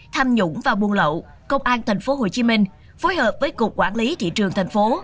tham nhũng và buôn lậu công an tp hcm phối hợp với cục quản lý thị trường tp hcm